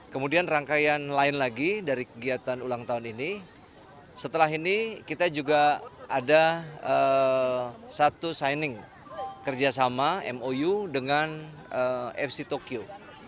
kemudian rangkaian lain lagi dari kegiatan ulang tahun ini setelah ini kita juga ada satu signing kerjasama mou dengan fc tokyo